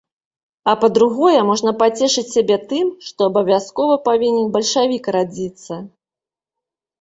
А па-другое, можна пацешыць сябе тым, што абавязкова павінен бальшавік радзіцца!